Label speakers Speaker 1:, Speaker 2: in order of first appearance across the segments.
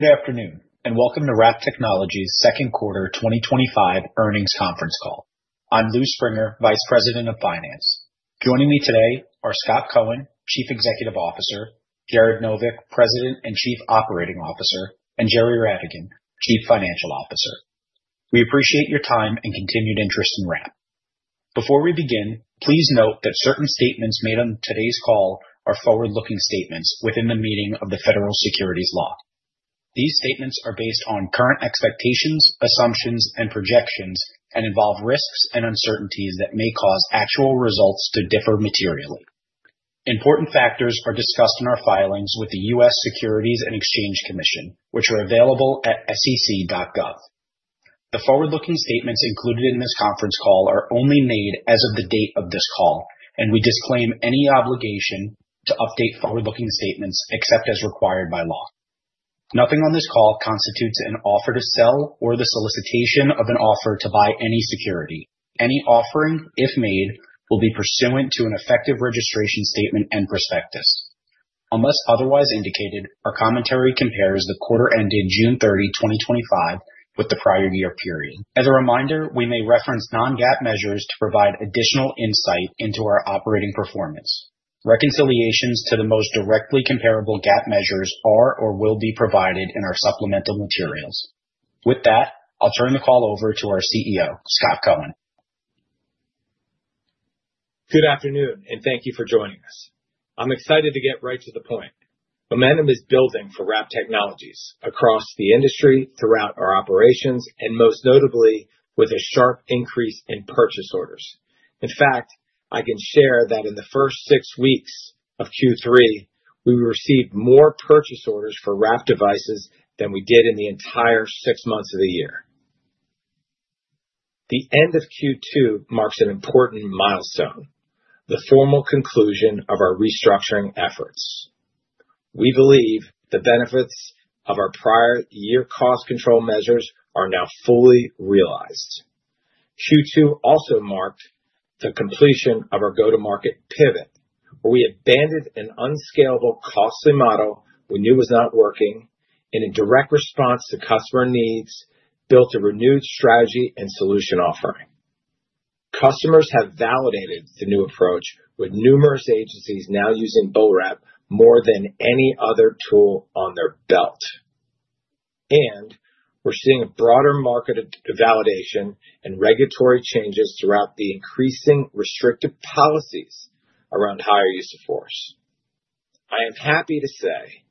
Speaker 1: Good afternoon and welcome to WRAP Technologies' Second Quarter 2025 Earnings Conference Call. I'm Louis Springer, Vice President of Finance. Joining me today are Scot Cohen, Chief Executive Officer, Jared Novick, President and Chief Operating Officer, and Jerry Ratigan, Chief Financial Officer. We appreciate your time and continued interest in WRAP. Before we begin, please note that certain statements made on today's call are forward-looking statements within the meaning of the Federal Securities Law. These statements are based on current expectations, assumptions, and projections and involve risks and uncertainties that may cause actual results to differ materially. Important factors are discussed in our filings with the U.S. Securities and Exchange Commission, which are available at sec.gov. The forward-looking statements included in this conference call are only made as of the date of this call, and we disclaim any obligation to update forward-looking statements except as required by law. Nothing on this call constitutes an offer to sell or the solicitation of an offer to buy any security. Any offering, if made, will be pursuant to an effective registration statement and prospectus. Unless otherwise indicated, our commentary compares the quarter ending June 30, 2025, with the prior year period. As a reminder, we may reference non-GAAP measures to provide additional insight into our operating performance. Reconciliations to the most directly comparable GAAP measures are or will be provided in our supplemental materials. With that, I'll turn the call over to our CEO, Scot Cohen.
Speaker 2: Good afternoon and thank you for joining us. I'm excited to get right to the point. Momentum is building for WRAP Technologies across the industry, throughout our operations, and most notably with a sharp increase in purchase orders. In fact, I can share that in the first six weeks of Q3, we received more purchase orders for WRAP devices than we did in the entire six months of the year. The end of Q2 marks an important milestone: the formal conclusion of our restructuring efforts. We believe the benefits of our prior year cost control measures are now fully realized. Q2 also marked the completion of our go-to-market pivot, where we abandoned an unscalable costly model we knew was not working, and in direct response to customer needs, built a renewed strategy and solution offering. Customers have validated the new approach, with numerous agencies now using BolaWrap more than any other tool on their belt. We're seeing a broader market validation and regulatory changes throughout the increasingly restrictive policies around higher use of force. I am happy to say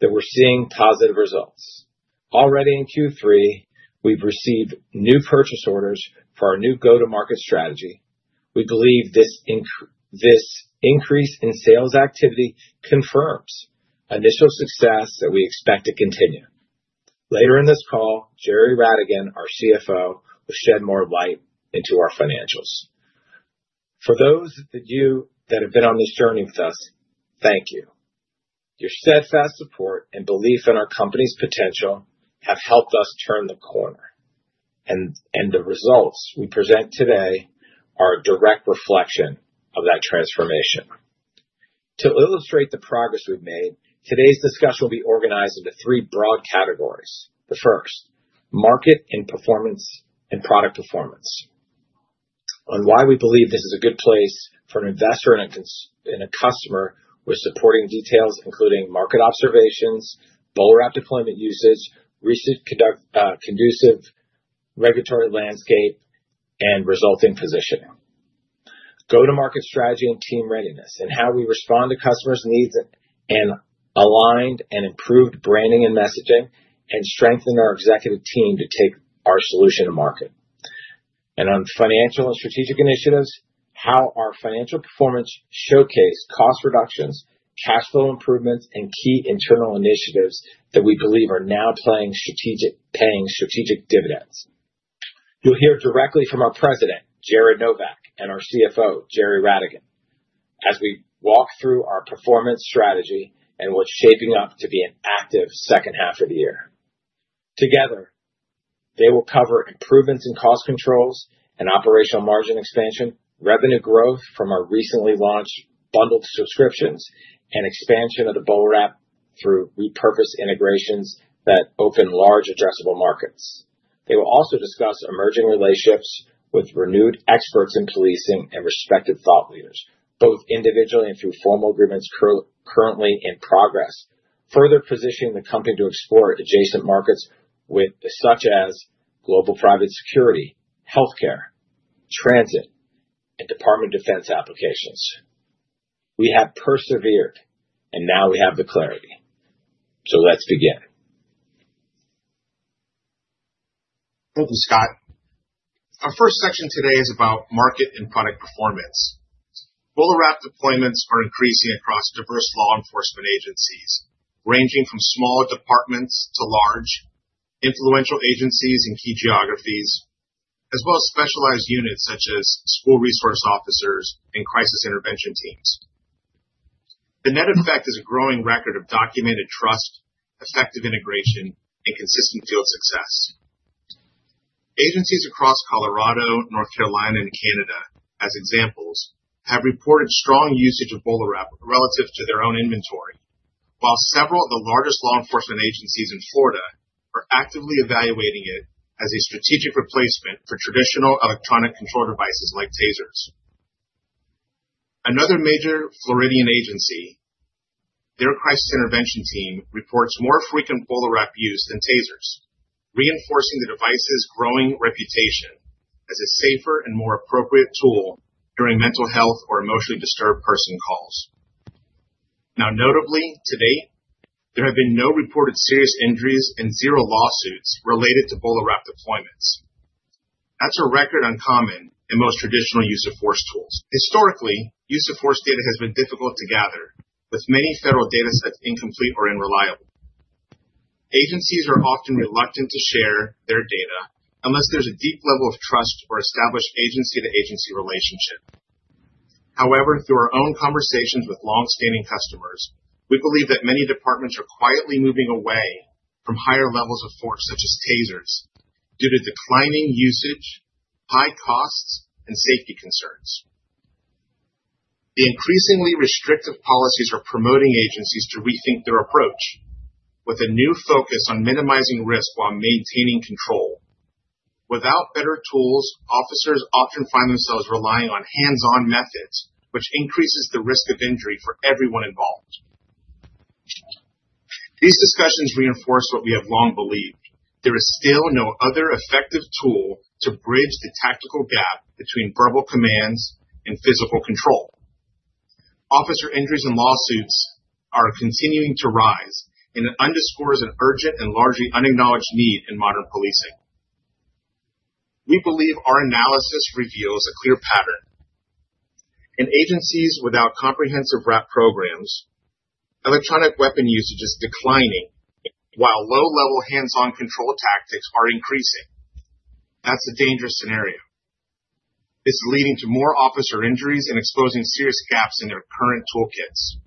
Speaker 2: that we're seeing positive results. Already in Q3, we've received new purchase orders for our new go-to-market strategy. We believe this increase in sales activity confirms initial success that we expect to continue. Later in this call, Jerry Ratigan, our CFO, will shed more light into our financials. For those of you that have been on this journey with us, thank you. Your steadfast support and belief in our company's potential have helped us turn the corner, and the results we present today are a direct reflection of that transformation. To illustrate the progress we've made, today's discussion will be organized into three broad categories. The first: market and performance and product performance. On why we believe this is a good place for an investor and a customer, we're supporting details including market observations, BolaWrap deployment usage, recent conducive regulatory landscape, and resulting positioning. Go-to-market strategy and team readiness, and how we respond to customers' needs and align and improve branding and messaging, and strengthen our executive team to take our solution to market. On financial and strategic initiatives, how our financial performance showcased cost reductions, cash flow improvements, and key internal initiatives that we believe are now paying strategic dividends. You'll hear directly from our President, Jared Novick, and our CFO, Jerry Ratigan, as we walk through our performance strategy and what's shaping up to be an active second half of the year. Together, they will cover improvements in cost controls and operational margin expansion, revenue growth from our recently launched bundled subscriptions, and expansion of the BolaWrap through repurposed integrations that open large addressable markets. They will also discuss emerging relationships with renewed experts in policing and respective thought leaders, both individually and through formal agreements currently in progress, further positioning the company to explore adjacent markets such as global private security, healthcare, transit, and Department of Defense applications. We have persevered, and now we have the clarity. Let's begin.
Speaker 3: Thank you, Scot. Our first section today is about market and product performance. BolaWrap deployments are increasing across diverse law enforcement agencies, ranging from small departments to large, influential agencies in key geographies, as well as specialized units such as school resource officers and crisis intervention teams. The net effect is a growing record of documented trust, effective integration, and consistent field success. Agencies across Colorado, North Carolina, and Canada, as examples, have reported strong usage of BolaWrap relative to their own inventory, while several of the largest law enforcement agencies in Florida are actively evaluating it as a strategic replacement for traditional electronic control devices like tasers. Another major Floridian agency, their crisis intervention team, reports more frequent BolaWrap use than tasers, reinforcing the device's growing reputation as a safer and more appropriate tool during mental health or emotionally disturbed person calls. Notably, to date, there have been no reported serious injuries and zero lawsuits related to BolaWrap deployments. That's a record uncommon in most traditional use of force tools. Historically, use of force data has been difficult to gather, with many federal data sets incomplete or unreliable. Agencies are often reluctant to share their data unless there's a deep level of trust or established agency-to-agency relationship. However, through our own conversations with longstanding customers, we believe that many departments are quietly moving away from higher levels of force such as tasers due to declining usage, high costs, and safety concerns. The increasingly restrictive policies are promoting agencies to rethink their approach, with a new focus on minimizing risk while maintaining control. Without better tools, officers often find themselves relying on hands-on methods, which increases the risk of injury for everyone involved. These discussions reinforce what we have long believed: there is still no other effective tool to bridge the tactical gap between verbal commands and physical control. Officer injuries and lawsuits are continuing to rise, and it underscores an urgent and largely unacknowledged need in modern policing. We believe our analysis reveals a clear pattern: in agencies without comprehensive WRAP programs, electronic weapon usage is declining, while low-level hands-on control tactics are increasing. That's a dangerous scenario. It's leading to more officer injuries and exposing serious gaps in their current toolkits.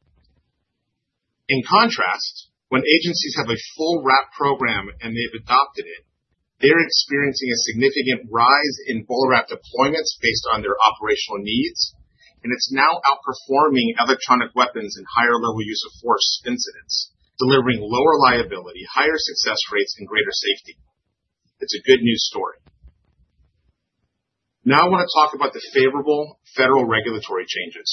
Speaker 3: In contrast, when agencies have a full WRAP program and they've adopted it, they're experiencing a significant rise in BolaWrap deployments based on their operational needs, and it's now outperforming electronic control devices in higher-level use of force incidents, delivering lower liability, higher success rates, and greater safety. It's a good news story. Now I want to talk about the favorable federal regulatory changes.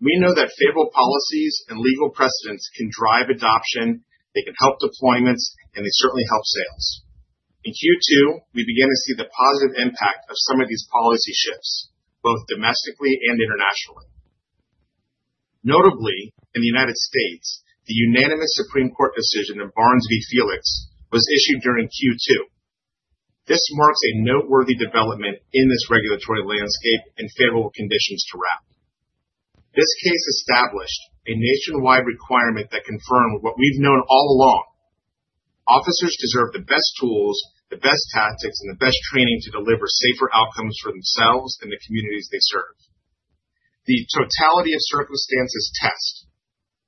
Speaker 3: We know that favorable policies and legal precedents can drive adoption, they can help deployments, and they certainly help sales. In Q2, we began to see the positive impact of some of these policy shifts, both domestically and internationally. Notably, in the U.S., the unanimous Supreme Court decision in Barnes v. Felix was issued during Q2. This marks a noteworthy development in this regulatory landscape and favorable conditions to WRAP Technologies. This case established a nationwide requirement that confirmed what we've known all along: officers deserve the best tools, the best tactics, and the best training to deliver safer outcomes for themselves and the communities they serve. The totality of circumstances test,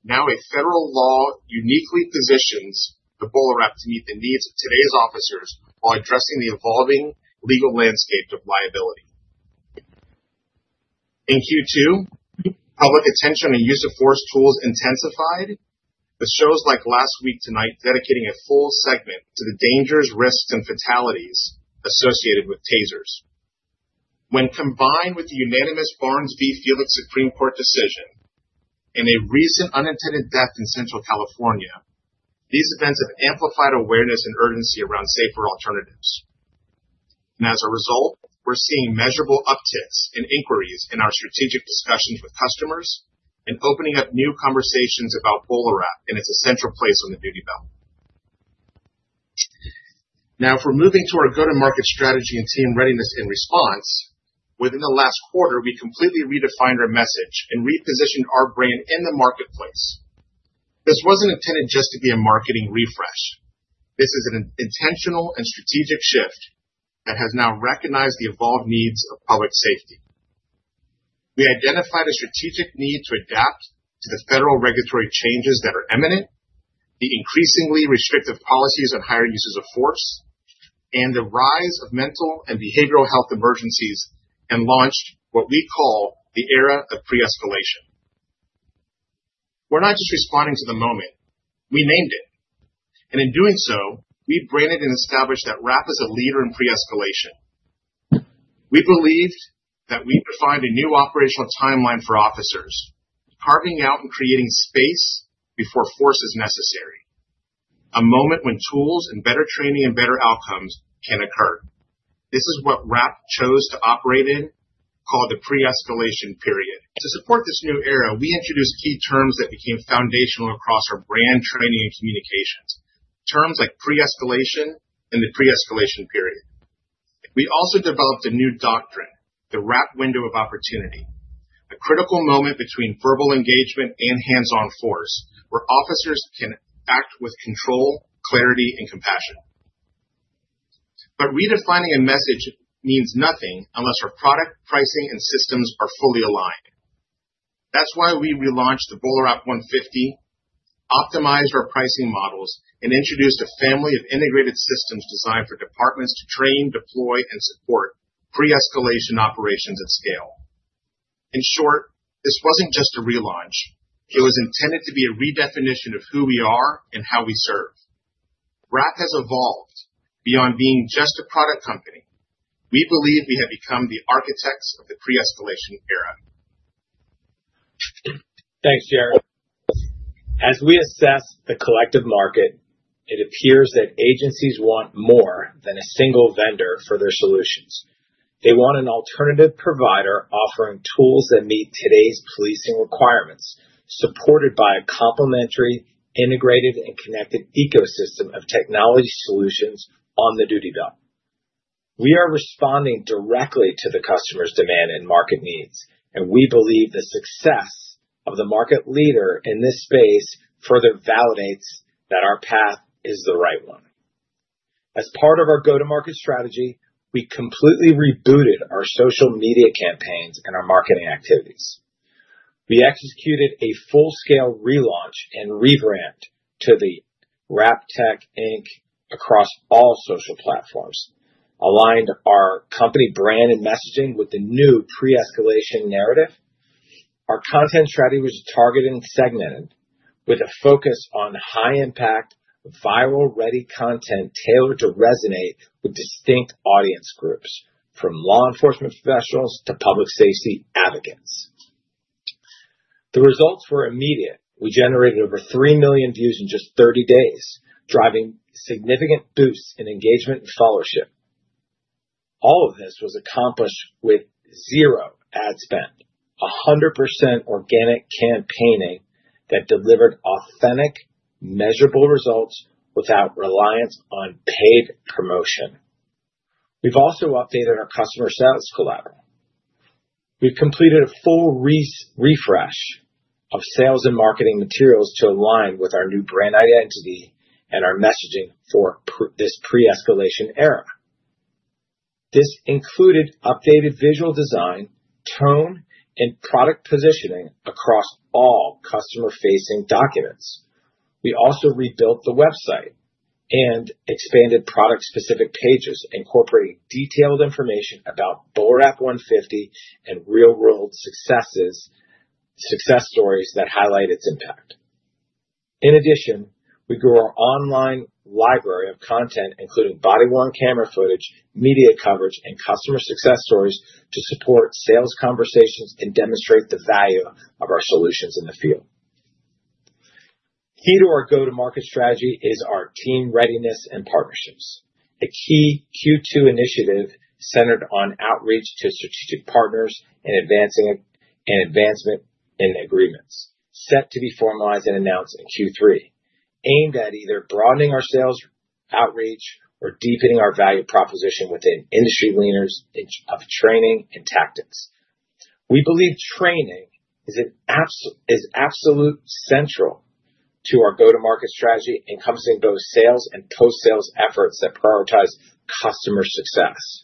Speaker 3: now a federal law, uniquely positions the BolaWrap to meet the needs of today's officers while addressing the evolving legal landscape of liability. In Q2, our attention on use of force tools intensified, with shows like "Last Week Tonight" dedicating a full segment to the dangers, risks, and fatalities associated with tasers. When combined with the unanimous Barnes v. Felix Supreme Court decision and a recent unintended death in Central California, these events have amplified awareness and urgency around safer alternatives. As a result, we're seeing measurable upticks in inquiries in our strategic discussions with customers and opening up new conversations about BolaWrap and its essential place on the duty belt. Now, if we're moving to our go-to-market strategy and team readiness in response, within the last quarter, we completely redefined our message and repositioned our brand in the marketplace. This wasn't intended just to be a marketing refresh. This is an intentional and strategic shift that has now recognized the evolved needs of public safety. We identified a strategic need to adapt to the federal regulatory changes that are imminent, the increasingly restrictive policies on higher uses of force, and the rise of mental and behavioral health emergencies, and launched what we call the era of pre-escalation. We're not just responding to the moment; we named it. In doing so, we branded and established that WRAP is a leader in pre-escalation. We believed that we defined a new operational timeline for officers, carving out and creating space before force is necessary, a moment when tools and better training and better outcomes can occur. This is what WRAP chose to operate in, called the pre-escalation period. To support this new era, we introduced key terms that became foundational across our brand training and communications, terms like pre-escalation and the pre-escalation period. We also developed a new doctrine, the WRAP Window of Opportunity, a critical moment between verbal engagement and hands-on force, where officers can act with control, clarity, and compassion. Redefining a message means nothing unless our product, pricing, and systems are fully aligned. That's why we relaunched the BolaWrap 150, optimized our pricing models, and introduced a family of integrated systems designed for departments to train, deploy, and support pre-escalation operations at scale. In short, this wasn't just a relaunch; it was intended to be a redefinition of who we are and how we serve. WRAP has evolved beyond being just a product company. We believe we have become the architects of the pre-escalation era.
Speaker 2: Thanks, Jared. As we assess the collective market, it appears that agencies want more than a single vendor for their solutions. They want an alternative provider offering tools that meet today's policing requirements, supported by a complementary, integrated, and connected ecosystem of technology solutions on the duty belt. We are responding directly to the customer's demand and market needs, and we believe the success of the market leader in this space further validates that our path is the right one. As part of our go-to-market strategy, we completely rebooted our social media campaigns and our marketing activities. We executed a full-scale relaunch and rebrand to WRAP Tech, Inc. across all social platforms, aligned our company brand and messaging with the new pre-escalation narrative. Our content strategy was targeted and segmented with a focus on high-impact, viral-ready content tailored to resonate with distinct audience groups, from law enforcement professionals to public safety advocates. The results were immediate. We generated over 3 million views in just 30 days, driving significant boosts in engagement and followership. All of this was accomplished with zero ad spend, 100% organic campaigning that delivered authentic, measurable results without reliance on paid promotion. We've also updated our customer sales collateral. We've completed a full refresh of sales and marketing materials to align with our new brand identity and our messaging for this pre-escalation era. This included updated visual design, tone, and product positioning across all customer-facing documents. We also rebuilt the website and expanded product-specific pages, incorporating detailed information about BolaWrap 150 and real-world success stories that highlight its impact. In addition, we grew our online library of content, including body-worn camera footage, media coverage, and customer success stories, to support sales conversations and demonstrate the value of our solutions in the field. Key to our go-to-market strategy is our team readiness and partnerships, a key Q2 initiative centered on outreach to strategic partners and advancement in agreements, set to be formalized and announced in Q3, aimed at either broadening our sales outreach or deepening our value proposition within industry leaders of training and tactics. We believe training is absolutely central to our go-to-market strategy, encompassing both sales and post-sales efforts that prioritize customer success.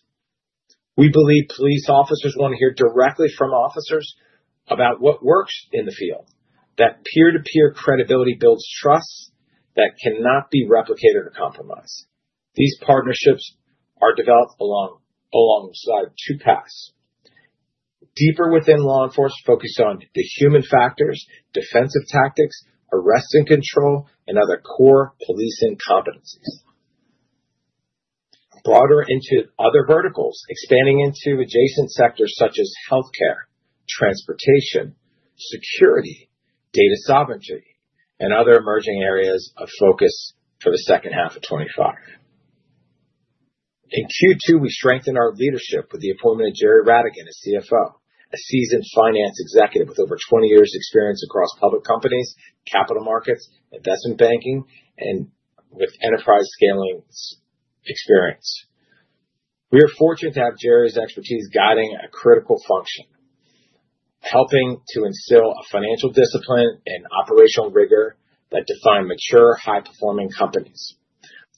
Speaker 2: We believe police officers want to hear directly from officers about what works in the field, that peer-to-peer credibility builds trust that cannot be replicated or compromised. These partnerships are developed alongside two paths: deeper within law enforcement, focused on the human factors, defensive tactics, arrest and control, and other core policing competencies. Broader into other verticals, expanding into adjacent sectors such as healthcare, transportation, security, data sovereignty, and other emerging areas of focus for the second half of 2025. In Q2, we strengthened our leadership with the appointment of Jerry Ratigan, a CFO, a seasoned finance executive with over 20 years' experience across public companies, capital markets, investment banking, and with enterprise scaling experience. We are fortunate to have Jerry's expertise guiding a critical function, helping to instill a financial discipline and operational rigor that define mature, high-performing companies.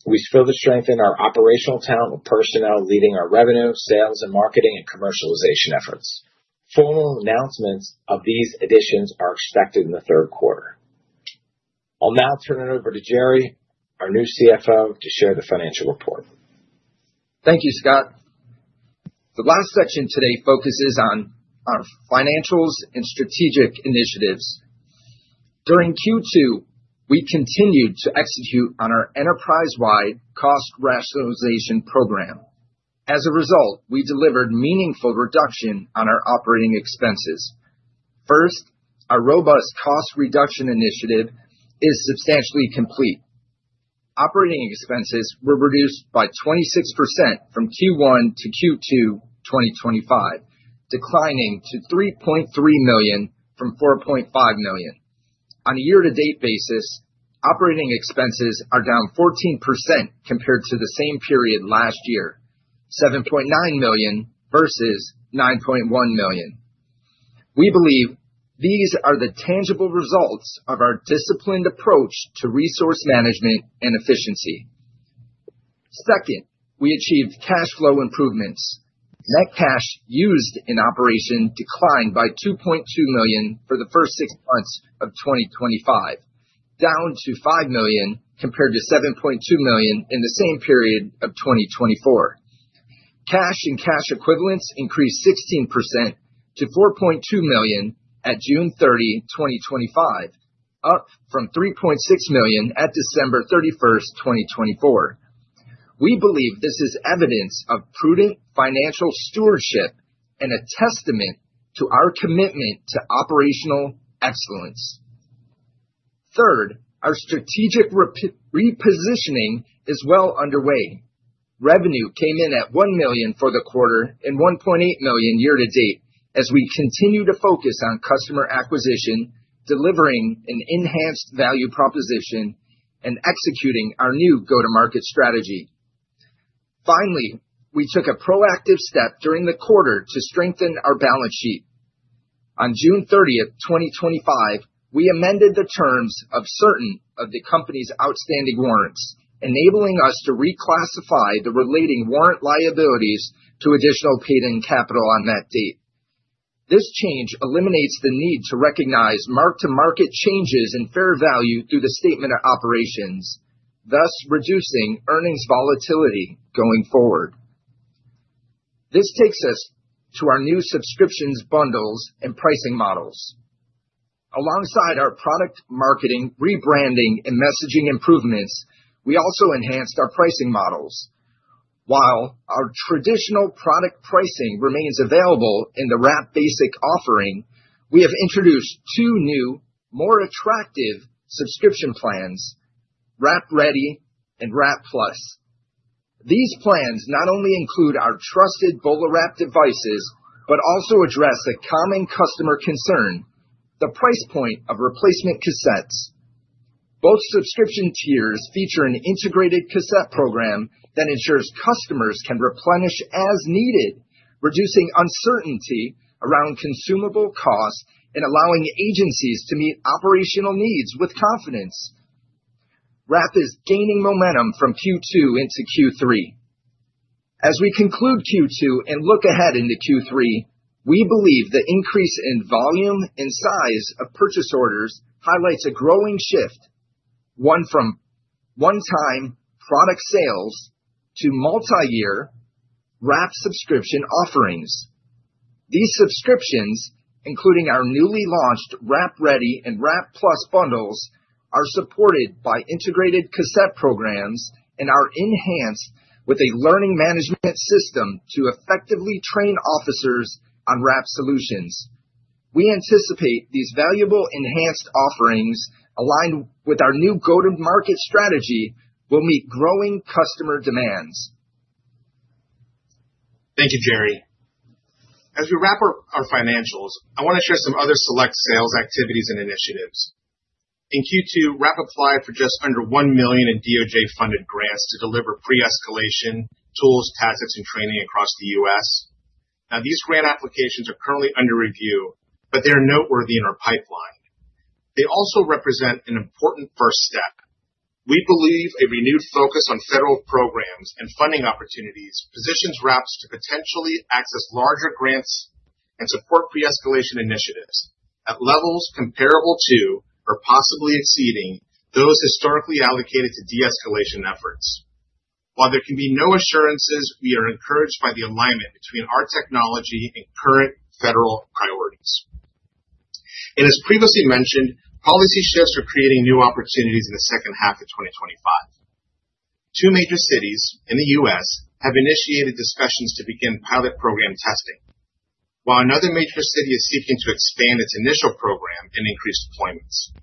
Speaker 2: We still strengthen our operational talent with personnel leading our revenue, sales, and marketing and commercialization efforts. Formal announcements of these additions are expected in the third quarter. I'll now turn it over to Jerry, our new CFO, to share the financial report.
Speaker 4: Thank you, Scot. The last section today focuses on our financials and strategic initiatives. During Q2, we continued to execute on our enterprise-wide cost rationalization program. As a result, we delivered meaningful reduction on our operating expenses. First, our robust cost reduction initiative is substantially complete. Operating expenses were reduced by 26% from Q1 to Q2 2025, declining to $3.3 million from $4.5 million. On a year-to-date basis, operating expenses are down 14% compared to the same period last year, $7.9 million versus $9.1 million. We believe these are the tangible results of our disciplined approach to resource management and efficiency. Second, we achieved cash flow improvements. Net cash used in operation declined by $2.2 million for the first six months of 2025, down to $5 million compared to $7.2 million in the same period of 2024. Cash and cash equivalents increased 16% to $4.2 million at June 30, 2025, up from $3.6 million at December 31, 2024. We believe this is evidence of prudent financial stewardship and a testament to our commitment to operational excellence. Third, our strategic repositioning is well underway. Revenue came in at $1 million for the quarter and $1.8 million year-to-date, as we continue to focus on customer acquisition, delivering an enhanced value proposition, and executing our new go-to-market strategy. Finally, we took a proactive step during the quarter to strengthen our balance sheet. On June 30, 2025, we amended the terms of certain of the company's outstanding warrants, enabling us to reclassify the relating warrant liabilities to additional paid-in capital on that date. This change eliminates the need to recognize marked-to-market changes in fair value through the statement of operations, thus reducing earnings volatility going forward. This takes us to our new subscriptions, bundles, and pricing models. Alongside our product marketing, rebranding, and messaging improvements, we also enhanced our pricing models. While our traditional product pricing remains available in the WrapBasic offering, we have introduced two new, more attractive subscription plans: WrapReady and WrapPlus. These plans not only include our trusted BolaWrap devices, but also address a common customer concern: the price point of replacement cassettes. Both subscription tiers feature an integrated cassette program that ensures customers can replenish as needed, reducing uncertainty around consumable costs and allowing agencies to meet operational needs with confidence. WRAP is gaining momentum from Q2 into Q3. As we conclude Q2 and look ahead into Q3, we believe the increase in volume and size of purchase orders highlights a growing shift, one from one-time product sales to multi-year WRAP subscription offerings. These subscriptions, including our newly launched WrapReady and WrapPlus bundles, are supported by integrated cassette programs and are enhanced with a learning management system to effectively train officers on WRAP solutions. We anticipate these valuable enhanced offerings, aligned with our new go-to-market strategy, will meet growing customer demands.
Speaker 3: Thank you, Jerry. As we wrap up our financials, I want to share some other select sales activities and initiatives. In Q2, WRAP applied for just under $1 million in DOJ-funded grants to deliver pre-escalation tools, tactics, and training across the U.S. Now, these grant applications are currently under review, but they are noteworthy in our pipeline. They also represent an important first step. We believe a renewed focus on federal programs and funding opportunities positions WRAP to potentially access larger grants and support pre-escalation initiatives at levels comparable to or possibly exceeding those historically allocated to de-escalation efforts. While there can be no assurances, we are encouraged by the alignment between our technology and current federal priorities. As previously mentioned, policy shifts are creating new opportunities in the second half of 2025. Two major cities in the U.S. have initiated discussions to begin pilot program testing, while another major city is seeking to expand its initial program and increase deployments.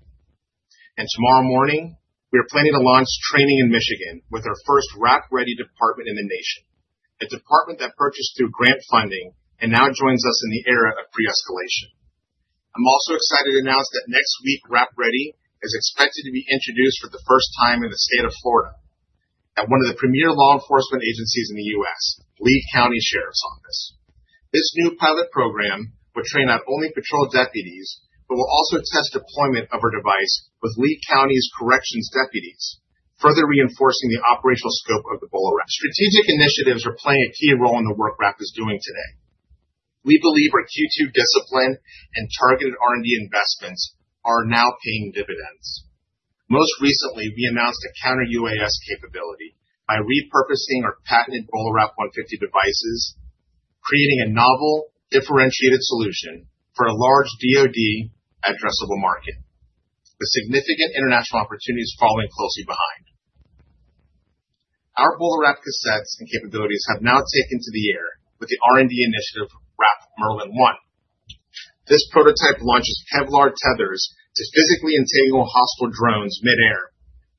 Speaker 3: Tomorrow morning, we are planning to launch training in Michigan with our first WrapReady department in the nation, a department that purchased through grant funding and now joins us in the era of pre-escalation. I'm also excited to announce that next week, WrapReady is expected to be introduced for the first time in the state of Florida at one of the premier law enforcement agencies in the U.S., Lee County Sheriff's Office. This new pilot program will train not only patrol deputies, but will also test deployment of our device with Lee County's corrections deputies, further reinforcing the operational scope of the BolaWrap. Strategic initiatives are playing a key role in the work WRAP is doing today. We believe our Q2 discipline and targeted R&D investments are now paying dividends. Most recently, we announced a counter-UAS capability by repurposing our patented BolaWrap 150 devices, creating a novel, differentiated solution for a large DoD addressable market, with significant international opportunities following closely behind. Our BolaWrap cassettes and capabilities have now taken to the air with the R&D initiative WRAP Merlin-1. This prototype launches Kevlar tethers to physically entangle hostile drones mid-air,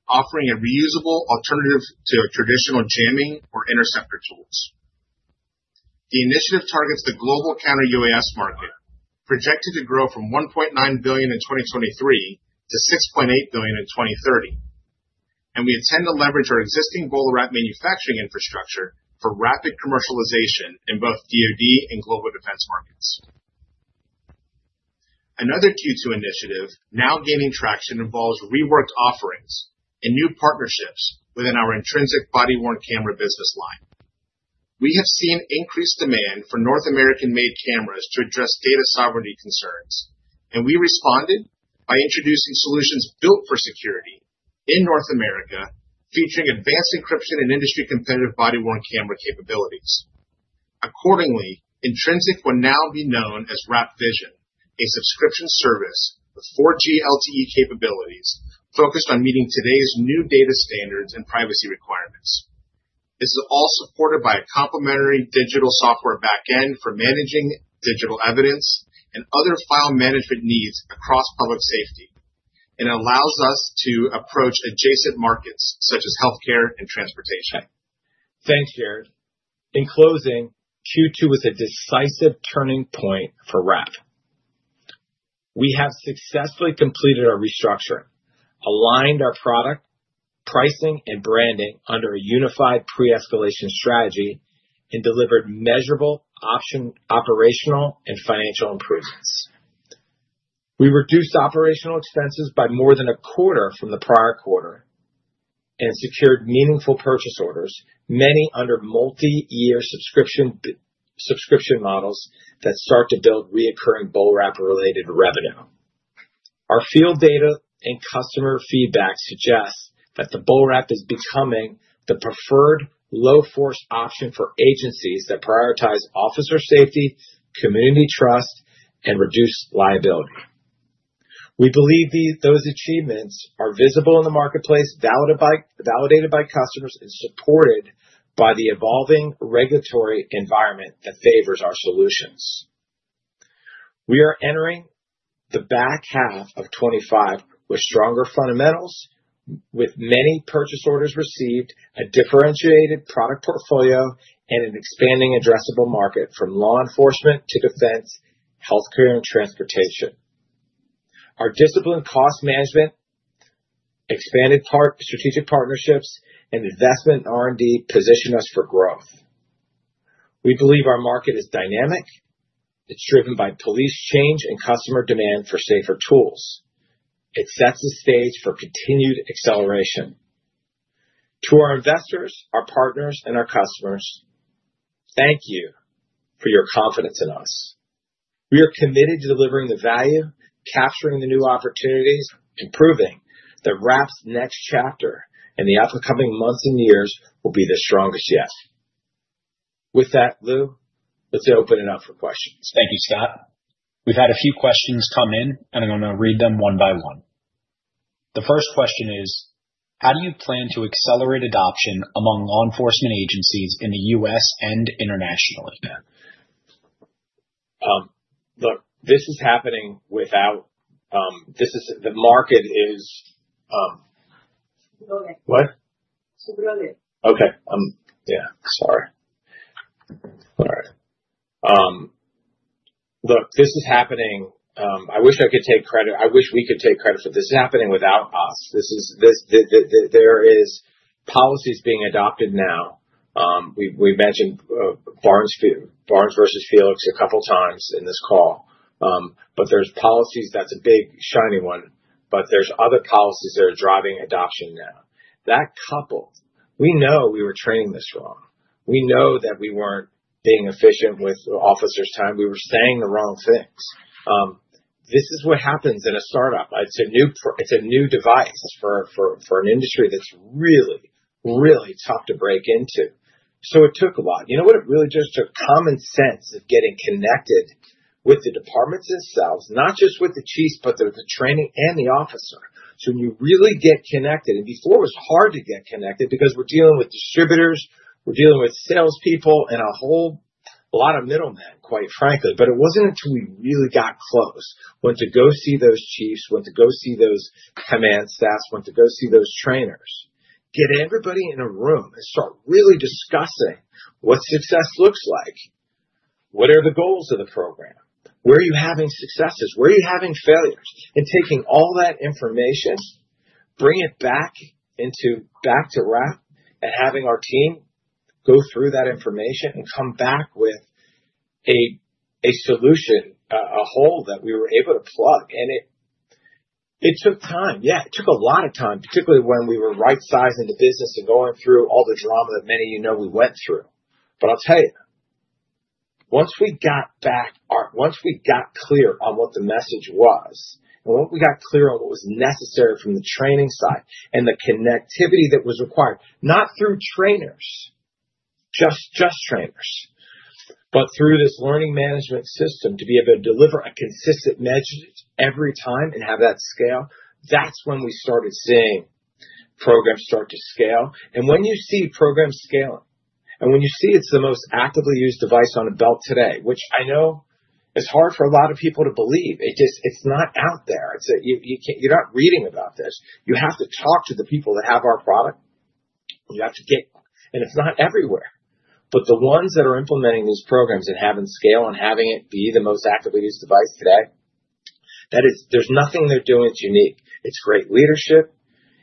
Speaker 3: offering a reusable alternative to traditional jamming or interceptor tools. The initiative targets the global counter-UAS market, projected to grow from $1.9 billion in 2023 to $6.8 billion in 2030. We intend to leverage our existing BolaWrap manufacturing infrastructure for rapid commercialization in both DoD and global defense markets. Another Q2 initiative now gaining traction involves reworked offerings and new partnerships within our body-worn camera business line. We have seen increased demand for North American-made cameras to address data sovereignty concerns, and we responded by introducing solutions built for security in North America, featuring advanced encryption and industry-competitive body-worn camera capabilities. Accordingly, Intrensic will now be known as WrapVision, a subscription service with 4G LTE capabilities focused on meeting today's new data standards and privacy requirements. This is all supported by a complementary digital software backend for managing digital evidence and other file management needs across public safety. It allows us to approach adjacent markets such as healthcare and transportation.
Speaker 2: Thanks, Jared. In closing, Q2 was a decisive turning point for WRAP. We have successfully completed our restructuring, aligned our product, pricing, and branding under a unified pre-escalation strategy, and delivered measurable option, operational, and financial improvements. We reduced operating expenses by more than a quarter from the prior quarter and secured meaningful purchase orders, many under multi-year subscription models that start to build recurring BolaWrap-related revenue. Our field data and customer feedback suggest that the BolaWrap is becoming the preferred low-force option for agencies that prioritize officer safety, community trust, and reduced liability. We believe those achievements are visible in the marketplace, validated by customers, and supported by the evolving regulatory environment that favors our solutions. We are entering the back half of 2025 with stronger fundamentals, with many purchase orders received, a differentiated product portfolio, and an expanding addressable market from law enforcement to defense, healthcare, and transportation. Our disciplined cost management, expanded strategic partnerships, and investment in R&D position us for growth. We believe our market is dynamic. It's driven by police change and customer demand for safer tools. It sets the stage for continued acceleration. To our investors, our partners, and our customers, thank you for your confidence in us. We are committed to delivering the value, capturing the new opportunities, and proving that WRAP's next chapter in the upcoming months and years will be the strongest yet. With that, Lou, let's open it up for questions.
Speaker 1: Thank you, Scot. We've had a few questions come in, and I'm going to read them one by one. The first question is, how do you plan to accelerate adoption among law enforcement agencies in the U.S. and internationally?
Speaker 2: Look, this is happening. I wish I could take credit. I wish we could take credit for this. This is happening without us. There are policies being adopted now. We mentioned Barnes v. Felix a couple of times in this call. That's a big shiny one, but there are other policies that are driving adoption now. We know we were training this wrong. We know that we weren't being efficient with the officers' time. We were saying the wrong things. This is what happens in a startup. It's a new device for an industry that's really, really tough to break into. It took a lot. You know what it really does? It took common sense of getting connected with the departments themselves, not just with the chiefs, but with the training and the officer. When you really get connected, before it was hard to get connected because we're dealing with distributors, we're dealing with salespeople and a whole lot of middlemen, quite frankly. It wasn't until we really got close, went to go see those chiefs, went to go see those command staff, went to go see those trainers, get everybody in a room and start really discussing what success looks like. What are the goals of the program? Where are you having successes? Where are you having failures? Taking all that information, bringing it back to WRAP and having our team go through that information and come back with a solution, a hole that we were able to plug. It took time. Yeah, it took a lot of time, particularly when we were right-sizing the business and going through all the drama that many of you know we went through. I'll tell you, once we got back, once we got clear on what the message was, and once we got clear on what was necessary from the training side and the connectivity that was required, not through trainers, just trainers, but through this learning management system to be able to deliver a consistent message every time and have that scale, that's when we started seeing programs start to scale. When you see programs scale, and when you see it's the most actively used device on a belt today, which I know it's hard for a lot of people to believe, it just it's not out there. It's that you can't, you're not reading about this. You have to talk to the people that have our product. You have to get, and it's not everywhere. The ones that are implementing these programs and having scale and having it be the most actively used device today, that is, there's nothing they're doing that's unique. It's great leadership.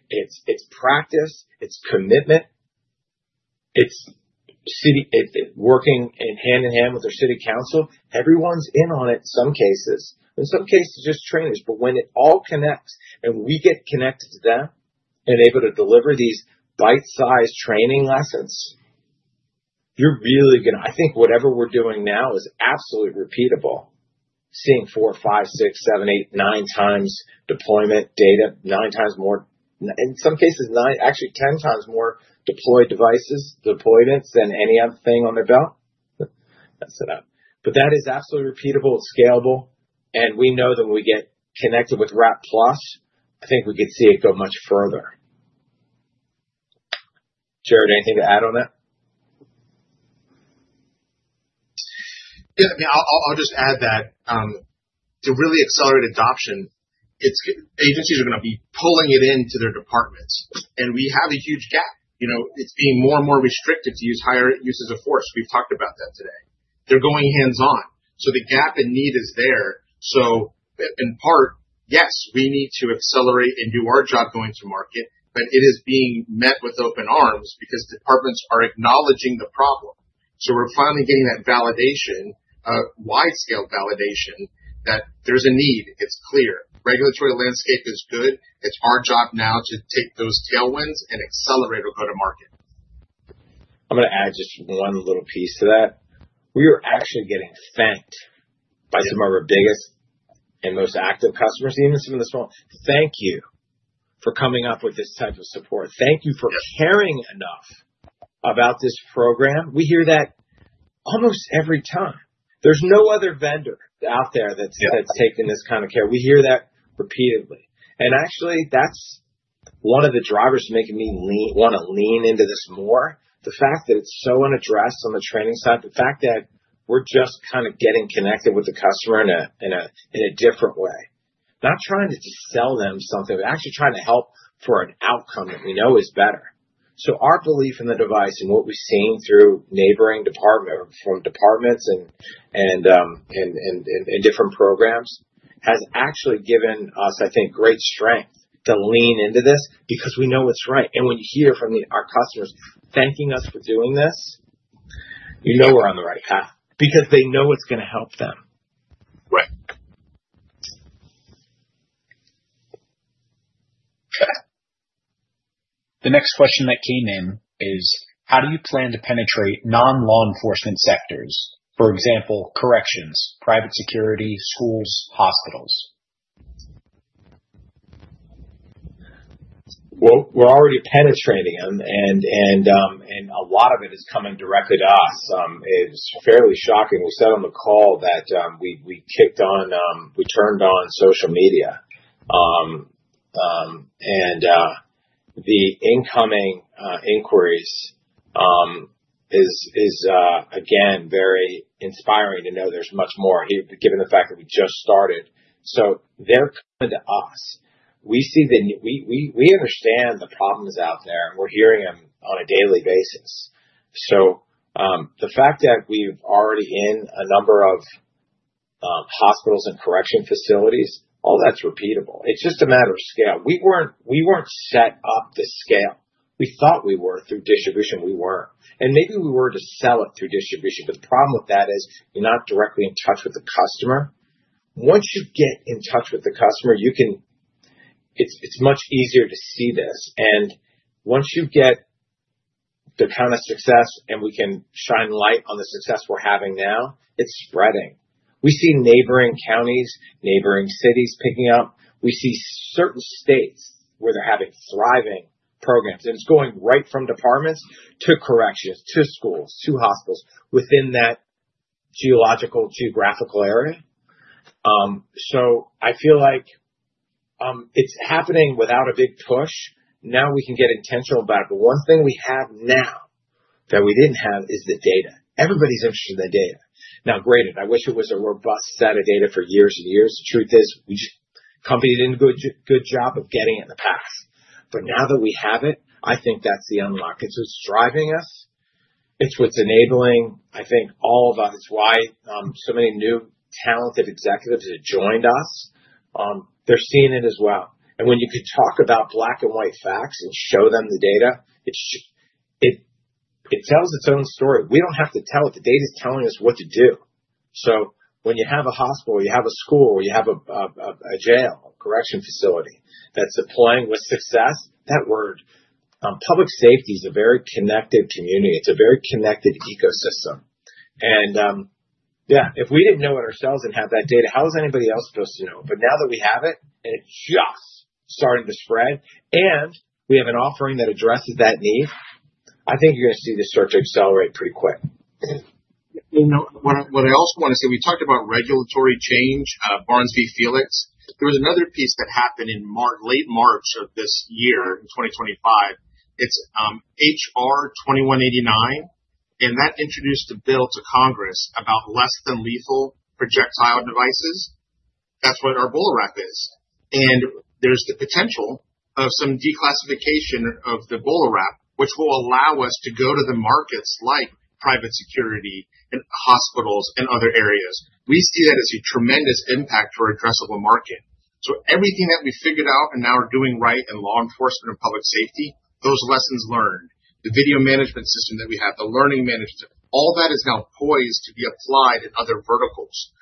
Speaker 2: It's practice. It's commitment. It's working hand in hand with their city council. Everyone's in on it in some cases. In some cases, just trainers. When it all connects and we get connected to them and able to deliver these bite-sized training lessons, you're really going to, I think whatever we're doing now is absolutely repeatable. Seeing four, five, six, seven, eight, nine times deployment data, nine times more, in some cases, nine, actually 10 times more deployed devices, deployments than anything on the belt. That is absolutely repeatable, scalable, and we know that when we get connected with WrapPlus, I think we could see it go much further. Jared, anything to add on that?
Speaker 3: Yeah. I'll just add that to really accelerate adoption, it's good. Agencies are going to be pulling it into their departments, and we have a huge gap. It's being more and more restricted to use higher uses of force. We've talked about that today. They're going hands-on. The gap in need is there. In part, yes, we need to accelerate and do our job going to market, but it is being met with open arms because departments are acknowledging the problem. We're finally getting that validation, a wide-scale validation that there's a need. It's clear. Regulatory landscape is good. It's our job now to take those tailwinds and accelerate our go-to-market.
Speaker 2: I'm going to add just one little piece to that. We were actually getting sent by some of our biggest and most active customers, even some of the small. Thank you for coming up with this type of support. Thank you for caring enough about this program. We hear that almost every time. There's no other vendor out there that's taken this kind of care. We hear that repeatedly. Actually, that's one of the drivers making me want to lean into this more, the fact that it's so unaddressed on the training side, the fact that we're just kind of getting connected with the customer in a different way. Not trying to just sell them something, but actually trying to help for an outcome that we know is better. Our belief in the device and what we've seen through neighboring departments and different programs has actually given us, I think, great strength to lean into this because we know it's right. When you hear from our customers thanking us for doing this, you know we're on the right path because they know it's going to help them.
Speaker 1: The next question that came in is, how do you plan to penetrate non-law enforcement sectors, for example, corrections, private security, schools, hospitals?
Speaker 2: We're already penetrating them, and a lot of it is coming directly to us. It's fairly shocking. We said on the call that we kicked on, we turned on social media. The incoming inquiries are again very inspiring to know there's much more, given the fact that we just started. They're coming to us. We see that we understand the problems out there. We're hearing them on a daily basis. The fact that we're already in a number of hospitals and correction facilities, all that's repeatable. It's just a matter of scale. We weren't set up to scale. We thought we were through distribution. We weren't. Maybe we were to sell it through distribution, but the problem with that is you're not directly in touch with the customer. Once you get in touch with the customer, it's much easier to see this. Once you get the kind of success and we can shine the light on the success we're having now, it's spreading. We see neighboring counties, neighboring cities picking up. We see certain states where they're having thriving programs. It's going right from departments to corrections to schools to hospitals within that geographical area. I feel like it's happening without a big push. Now we can get intentional about it. The one thing we have now that we didn't have is the data. Everybody's interested in the data. Granted, I wish it was a robust set of data for years and years. The truth is, the company didn't do a good job of getting it in the past. Now that we have it, I think that's the unlock. It's what's driving us. It's what's enabling, I think, all of us. It's why so many new talented executives have joined us. They're seeing it as well. When you can talk about black and white facts and show them the data, it tells its own story. We don't have to tell it. The data is telling us what to do. When you have a hospital, you have a school, or you have a jail, a correction facility that's supplying with success, that word, public safety is a very connected community. It's a very connected ecosystem. If we didn't know it ourselves and have that data, how is anybody else supposed to know? Now that we have it, and it just started to spread, and we have an offering that addresses that need, I think you're going to see this start to accelerate pretty quick.
Speaker 3: What I also want to say, we talked about regulatory change, in Barnes v. Felix. There was another piece that happened in late March of this year, in 2025. It's H.R. 2189, and that introduced a bill to Congress about less-than-lethal projectile devices. That's what our BolaWrap is. There's the potential of some declassification of the BolaWrap, which will allow us to go to the markets like private security and hospitals and other areas. We see that as a tremendous impact for our addressable market. Everything that we figured out and now are doing right in law enforcement and public safety, those lessons learned, the video management system that we have, the learning management, all that is now poised to be applied in other verticals.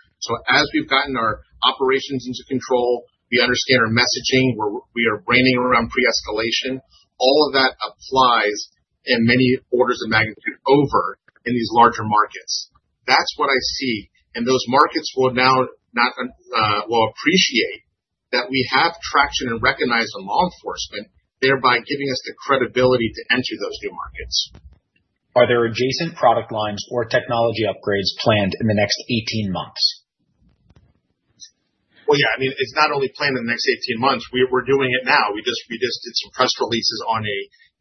Speaker 3: As we've gotten our operations into control, we understand our messaging, where we are bringing around pre-escalation, all of that applies in many orders of magnitude over in these larger markets. That's what I see. Those markets will now appreciate that we have traction and are recognized in law enforcement, thereby giving us the credibility to enter those new markets.
Speaker 1: Are there adjacent product lines or technology upgrades planned in the next 18 months?
Speaker 3: It's not only planned in the next 18 months. We're doing it now. We just did some press releases on a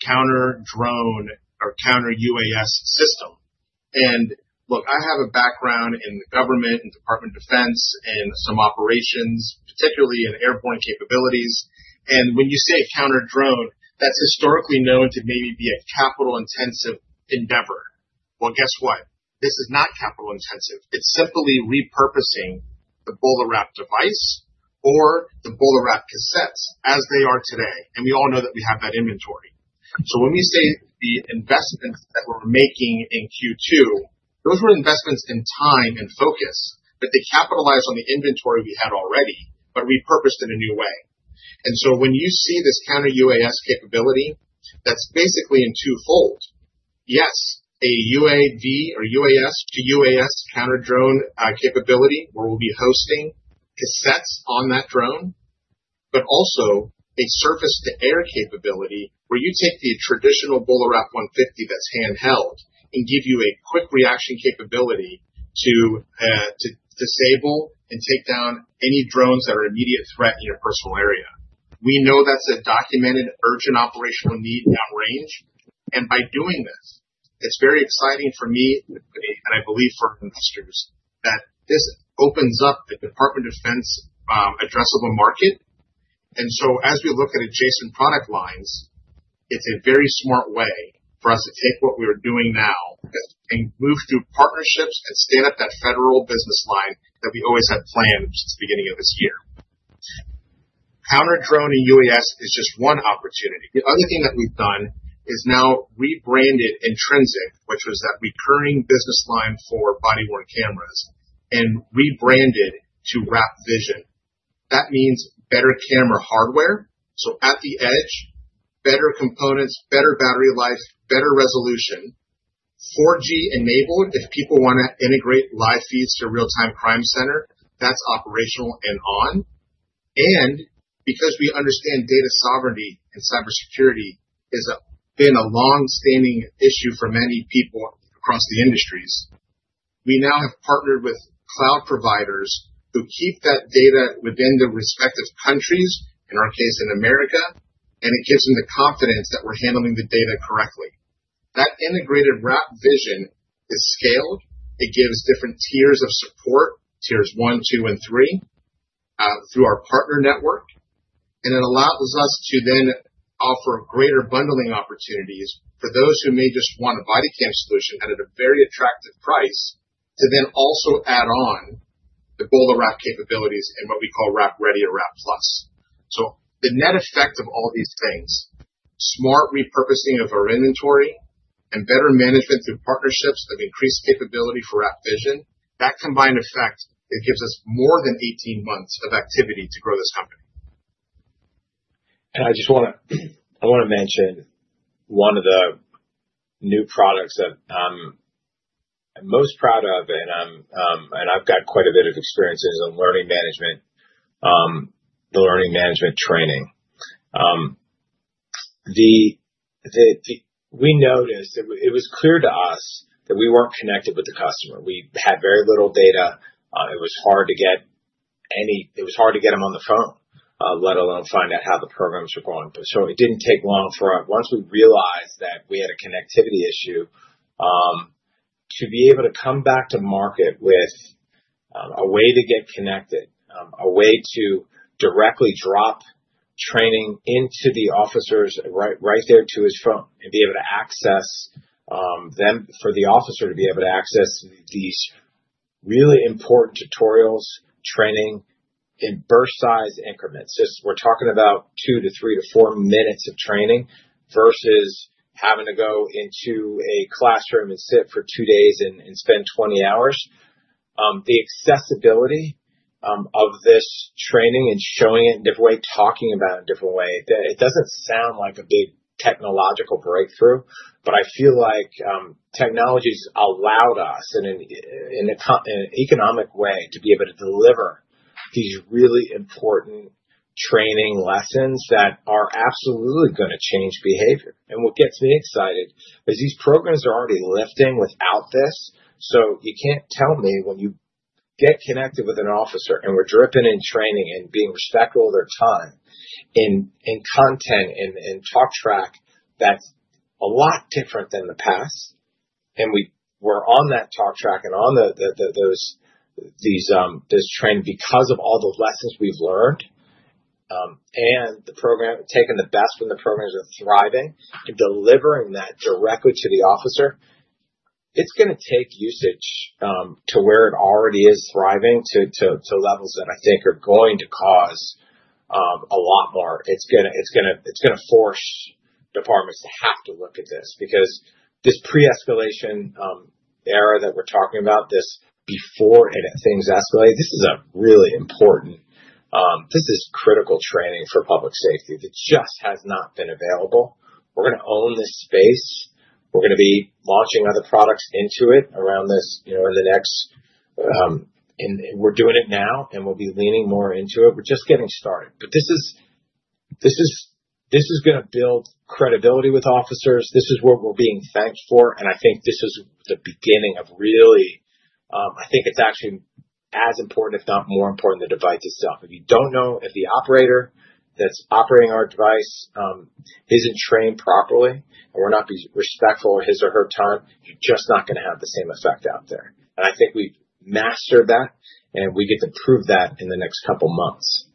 Speaker 3: counter-drone or counter-UAS system. Look, I have a background in the government and Department of Defense and some operations, particularly in airborne capabilities. When you say counter-drone, that's historically known to maybe be a capital-intensive endeavor. Guess what? This is not capital-intensive. It's simply repurposing the BolaWrap device or the BolaWrap cassettes as they are today. We all know that we have that inventory. When we say the investments we're making in Q2, those were investments in time and focus, but they capitalized on the inventory we had already, but repurposed in a new way. When you see this counter-UAS capability, that's basically in twofold. Yes, a UAV or UAS-to-UAS counter-drone capability, where we'll be hosting cassettes on that drone, but also a surface-to-air capability, where you take the traditional BolaWrap 150 that's handheld and give you a quick reaction capability to disable and take down any drones that are an immediate threat in your personal area. We know that's a documented urgent operational need at range. By doing this, it's very exciting for me, and I believe for investors, that this opens up the Department of Defense addressable market. As we look at adjacent product lines, it's a very smart way for us to take what we're doing now and move through partnerships and stand up that federal business line that we always had planned since the beginning of this year. Counter-drone and UAS is just one opportunity. The other thing that we've done is now rebranded Intrensic, which was that recurring business line for body-worn cameras, and rebranded to WrapVision. That means better camera hardware. At the edge, better components, better battery life, better resolution, 4G enabled if people want to integrate live feeds to a real-time crime center, that's operational and on. Because we understand data sovereignty and cybersecurity has been a longstanding issue for many people across the industries, we now have partnered with cloud providers who keep that data within their respective countries, in our case in America, and it gives them the confidence that we're handling the data correctly. That integrated WrapVision is scaled. It gives different tiers of support, tiers one, two, and three, through our partner network. It allows us to then offer greater bundling opportunities for those who may just want a body-worn camera solution at a very attractive price to then also add on the BolaWrap capabilities and what we call WrapReady or WrapPlus. The net effect of all these things, smart repurposing of our inventory, and better management through partnerships of increased capability for WrapVision, that combined effect gives us more than 18 months of activity to grow this company.
Speaker 2: I just want to mention one of the new products that I'm most proud of, and I've got quite a bit of experience in learning management, the learning management training. We noticed it was clear to us that we weren't connected with the customer. We had very little data. It was hard to get any, it was hard to get them on the phone, let alone find out how the programs were going. It didn't take long for us, once we realized that we had a connectivity issue, to be able to come back to market with a way to get connected, a way to directly drop training into the officers right there to his phone and be able to access them, for the officer to be able to access these really important tutorials, training in burst-size increments. We're talking about two to three to four minutes of training versus having to go into a classroom and sit for two days and spend 20 hours. The accessibility of this training and showing it in a different way, talking about it in a different way, it doesn't sound like a big technological breakthrough, but I feel like technology has allowed us in an economic way to be able to deliver these really important training lessons that are absolutely going to change behavior. What gets me excited is these programs are already lifting without this. You can't tell me when you get connected with an officer and we're dripping in training and being respectful of their time and content and talk track, that's a lot different than the past. We're on that talk track and on those training because of all the lessons we've learned and the program taking the best from the programs that are thriving and delivering that directly to the officer. It's going to take usage to where it already is thriving to levels that I think are going to cause a lot more. It's going to force departments to have to look at this because this pre-escalation era that we're talking about, this before it seems to escalate, this is a really important, this is critical training for public safety. It just has not been available. We're going to own this space. We're going to be launching other products into it around this, you know, in the next, and we're doing it now, and we'll be leaning more into it. We're just getting started. This is going to build credibility with officers. This is what we're being thanked for. I think this is the beginning of really, I think it's actually as important, if not more important, than the device itself. If you don't know if the operator that's operating our device isn't trained properly or will not be respectful of his or her time, you're just not going to have the same effect out there. I think we've mastered that, and we get to prove that in the next couple of months.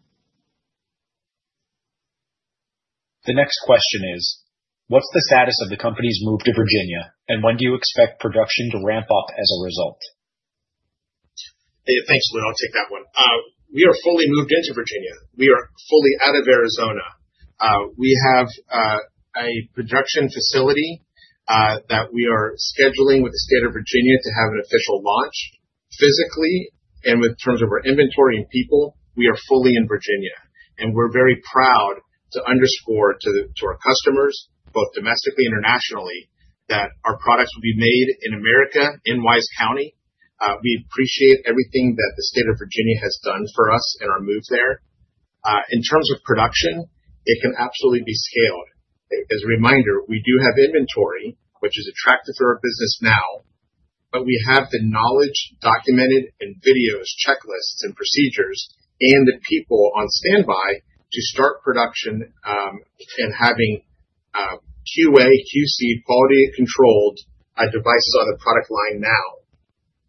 Speaker 1: The next question is, what's the status of the company's move to Virginia, and when do you expect production to ramp up as a result?
Speaker 3: Thanks, Lou. I'll take that one. We are fully moved into Virginia. We are fully out of Arizona. We have a production facility that we are scheduling with the state of Virginia to have an official launch physically, and in terms of our inventory and people, we are fully in Virginia. We're very proud to underscore to our customers, both domestically and internationally, that our products will be made in America, in Wise County. We appreciate everything that the state of Virginia has done for us in our move there. In terms of production, it can absolutely be scaled. As a reminder, we do have inventory, which is attractive for our business now, but we have the knowledge documented in videos, checklists, and procedures, and the people on standby to start production and having QA, QC, quality controlled devices on a product line now.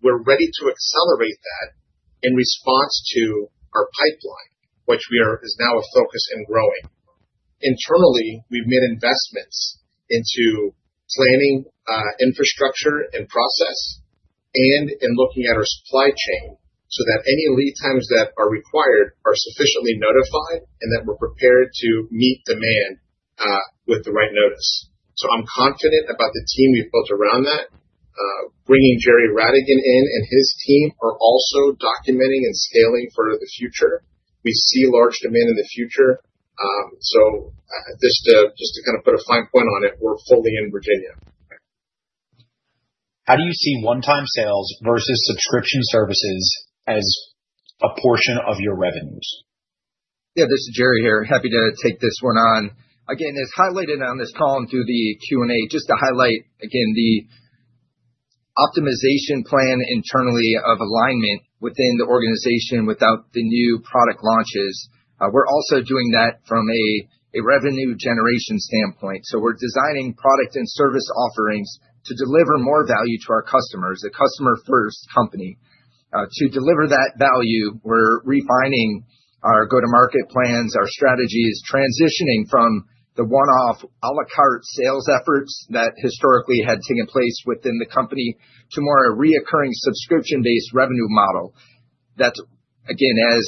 Speaker 3: We're ready to accelerate that in response to our pipeline, which is now a focus and growing. Internally, we've made investments into planning infrastructure and process and in looking at our supply chain so that any lead times that are required are sufficiently notified and that we're prepared to meet demand with the right notice. I'm confident about the team we've built around that. Bringing Jerry Ratigan in and his team are also documenting and scaling for the future. We see large demand in the future. Just to kind of put a fine point on it, we're fully in Virginia.
Speaker 1: How do you see one-time sales versus subscription services as a portion of your revenues?
Speaker 4: Yeah, this is Jerry here. Happy to take this one on. As highlighted on this column through the Q&A, just to highlight, the optimization plan internally of alignment within the organization without the new product launches. We're also doing that from a revenue generation standpoint. We're designing product and service offerings to deliver more value to our customers, a customer-first company. To deliver that value, we're refining our go-to-market plans, our strategies, transitioning from the one-off à la carte sales efforts that historically had taken place within the company to more of a reoccurring subscription-based revenue model. That's, as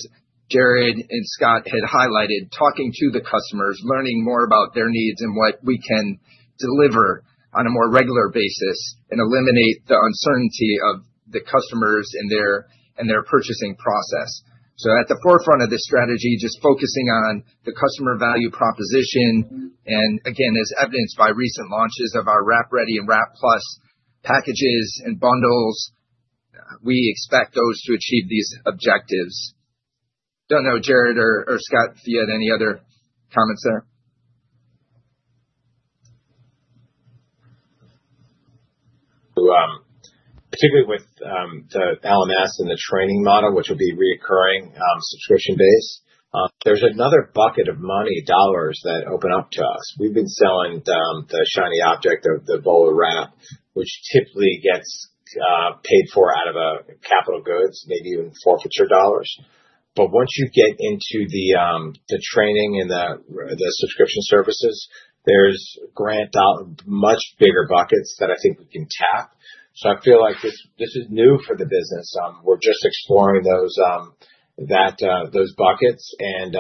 Speaker 4: Jared and Scot had highlighted, talking to the customers, learning more about their needs and what we can deliver on a more regular basis and eliminate the uncertainty of the customers and their purchasing process. At the forefront of this strategy, just focusing on the customer value proposition, and as evidenced by recent launches of our WrapReady and WrapPlus packages and bundles, we expect those to achieve these objectives. I don't know, Jerry or Scot, if you had any other comments there.
Speaker 2: Particularly with the learning management system and the training model, which would be recurring subscription-based, there's another bucket of money, dollars that open up to us. We've been selling the shiny object, the BolaWrap, which typically gets paid for out of capital goods, maybe even forfeiture dollars. Once you get into the training and the subscription services, there's a grant of much bigger buckets that I think we can tap. I feel like this is new for the business. We're just exploring those buckets, and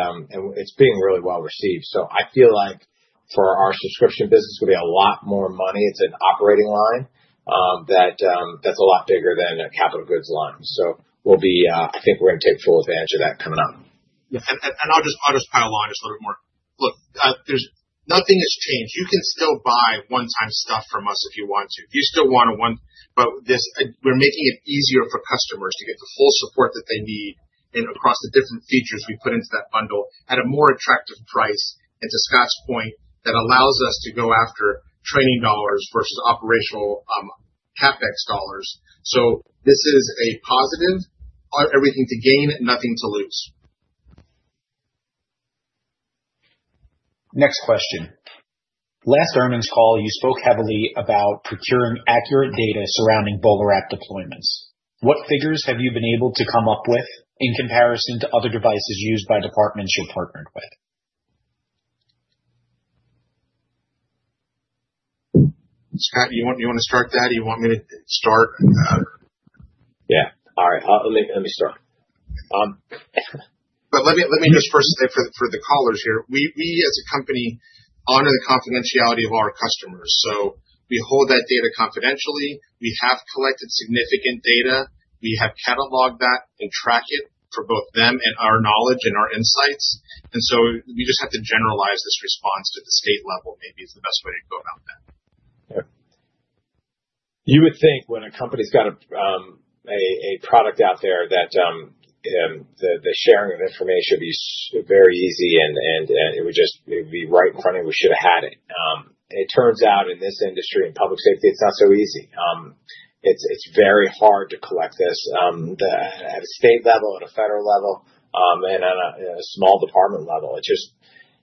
Speaker 2: it's being really well received. I feel like for our subscription business, it's going to be a lot more money. It's an operating line that's a lot bigger than a capital goods line. I think we're going to take full advantage of that coming up.
Speaker 3: Yeah. I'll just pile on just a little bit more. Look, there's nothing that's changed. You can still buy one-time stuff from us if you want to. If you still want a one, but we're making it easier for customers to get the full support that they need and across the different features we put into that bundle at a more attractive price. To Scot's point, that allows us to go after training dollars versus operational CapEx dollars. This is a positive, everything to gain and nothing to lose.
Speaker 1: Next question. Last earnings call, you spoke heavily about procuring accurate data surrounding BolaWrap deployments. What figures have you been able to come up with in comparison to other devices used by departments you're partnering with?
Speaker 3: Let me start. Let me just first say for the callers here, we as a company honor the confidentiality of our customers. We hold that data confidentially. We have collected significant data. We have cataloged that and tracked it for both them and our knowledge and our insights. We just have to generalize this response to the state level, maybe is the best way to go about that.
Speaker 2: You would think when a company's got a product out there that the sharing of information would be very easy, and it would just be right in front of it. We should have had it. It turns out in this industry in public safety, it's not so easy. It's very hard to collect this at a state level, at a federal level, and at a small department level. It's just,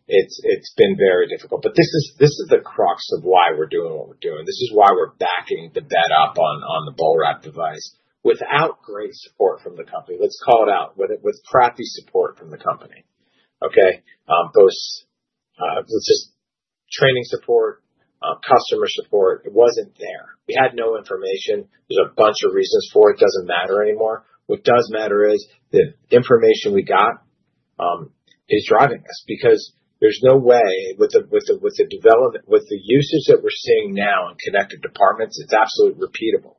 Speaker 2: it's been very difficult. This is the crux of why we're doing what we're doing. This is why we're backing the bet up on the BolaWrap device without great support from the company. Let's call it out. With crappy support from the company, okay? Both training support, customer support, it wasn't there. We had no information. There's a bunch of reasons for it. It doesn't matter anymore. What does matter is the information we got is driving us because there's no way with the development, with the usage that we're seeing now in connected departments, it's absolutely repeatable.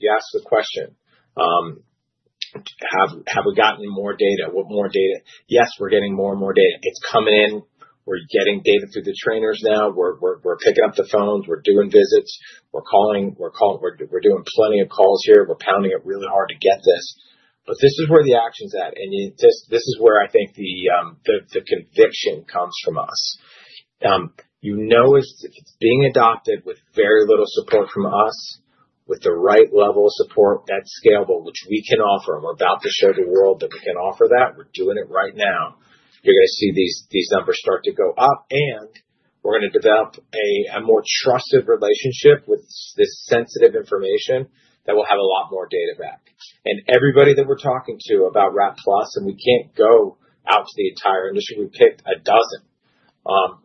Speaker 2: You asked the question, have we gotten more data? What more data? Yes, we're getting more and more data. It's come in. We're getting data through the trainers now. We're picking up the phones. We're doing visits. We're calling. We're calling. We're doing plenty of calls here. We're pounding it really hard to get this. This is where the action's at. This is where I think the conviction comes from us. You know if it's being adopted with very little support from us, with the right level of support that's scalable, which we can offer. I'm about to show the world that we can offer that. We're doing it right now. You're going to see these numbers start to go up, and we're going to develop a more trusted relationship with this sensitive information that we'll have a lot more data back. Everybody that we're talking to about WrapPlus, and we can't go out to the entire industry, we've picked a dozen,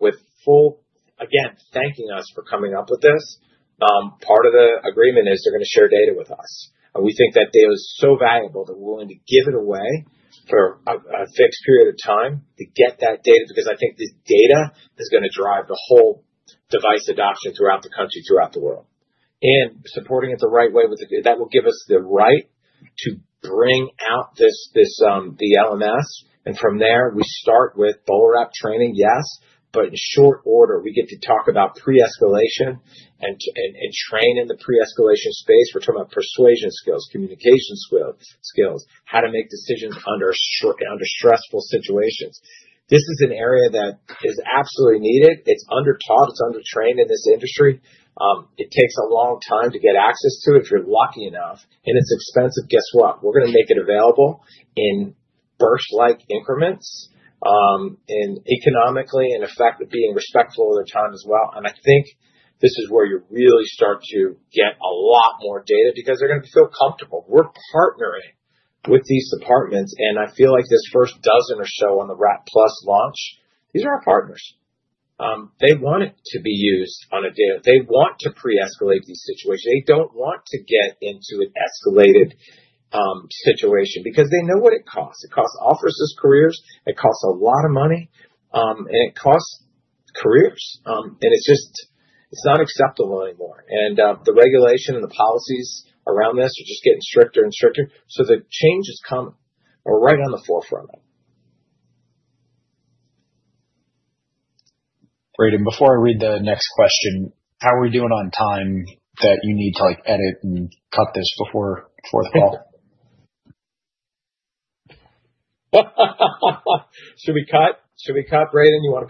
Speaker 2: with full, again, thanking us for coming up with this. Part of the agreement is they're going to share data with us. We think that data is so valuable that we're willing to give it away for a fixed period of time to get that data because I think this data is going to drive the whole device adoption throughout the country, throughout the world. Supporting it the right way with the data will give us the right to bring out this, the learning management system. From there, we start with BolaWrap training, yes, but in short order, we get to talk about pre-escalation and training in the pre-escalation space. We're talking about persuasion skills, communication skills, how to make decisions under stressful situations. This is an area that is absolutely needed. It's underthought. It's undertrained in this industry. It takes a long time to get access to it if you're lucky enough, and it's expensive. Guess what? We're going to make it available in burst-like increments, and economically, and effectively, being respectful of their time as well. I think this is where you really start to get a lot more data because they're going to feel comfortable. We're partnering with these departments, and I feel like this first dozen or so on the WrapPlus launch, these are our partners. They want it to be used on a daily. They want to pre-escalate these situations. They don't want to get into an escalated situation because they know what it costs. It costs officers' careers. It costs a lot of money, and it costs careers. It's just, it's not acceptable anymore. The regulation and the policies around this are just getting stricter and stricter. The changes come. We're right on the forefront of it.
Speaker 1: Great. Before I read the next question, how are we doing on time? Do you need to edit and cut this before?
Speaker 2: Should we cut, Braden? You want to?